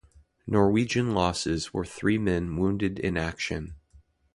Norwegian losses were three men wounded in action.